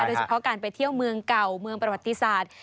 โดยเฉพาะการไปเที่ยวเมืองเก่าเมืองประวัติศาสตร์